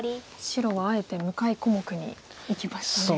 白はあえて向かい小目にいきましたね。